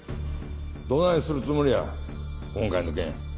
どないするつもりや今回の件。